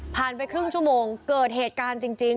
ไปครึ่งชั่วโมงเกิดเหตุการณ์จริง